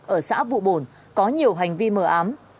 ở xã vụ bồn có nhiều hành vi mờ ám